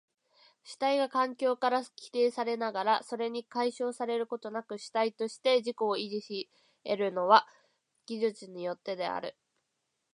主体が環境から規定されながらそれに解消されることなく主体として自己を維持し得るのは技術によってである。